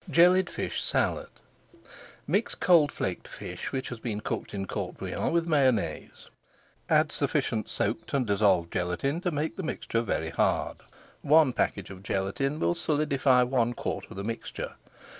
JELLIED FISH SALAD Mix cold flaked fish, which has been cooked in court bouillon, with Mayonnaise. Add sufficient soaked and dissolved gelatine to make the mixture very hard. One package of gelatine will solidify one quart of the mixture.